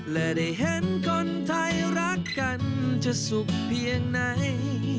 และได้เห็นคนไทยรักกันจะสุขเพียงไหน